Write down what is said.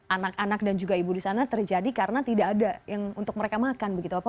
anak anak dan juga ibu di sana terjadi karena tidak ada yang untuk mereka makan begitu apa